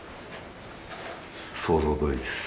想像どおりです。